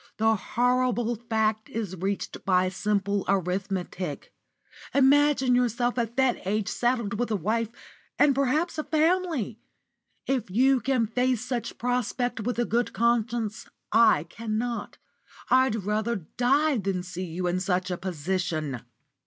The horrible fact is reached by simple arithmetic. Imagine yourself at that age saddled with a wife, and perhaps a family! If you can face such a prospect with a good conscience, I cannot. I'd rather die than see you in such a position."